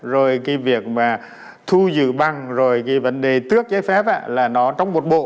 rồi cái việc mà thu giữ băng rồi cái vấn đề tước giấy phép là nó trong một bộ